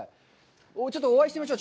ちょっとお会いしてみましょう。